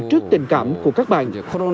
trước tình cảm của các bạn